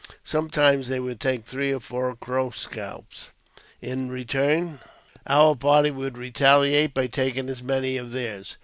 Sometimes they would take three or four Crow scalps ; in return, our party would retaliate by taking as many of theirs.